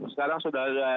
sekarang sudah ada